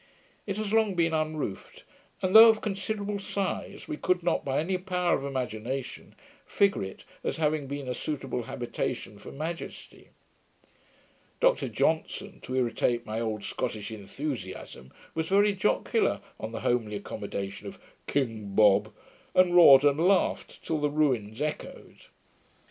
It has long been unroofed; and, though of considerable size, we could not, by any power of imagination, figure it as having been a suitable habitation for majesty. Dr Johnson, to irritate my old Scottish enthusiasm, was very jocular on the homely accommodation of 'King Bob', and roared and laughed till the ruins echoed.